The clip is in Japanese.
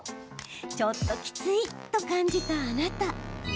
ちょっときついと感じたあなた。